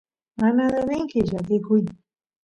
mana devenki llakikuy